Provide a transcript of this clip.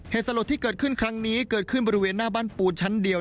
สลดที่เกิดขึ้นครั้งนี้เกิดขึ้นบริเวณหน้าบ้านปูนชั้นเดียว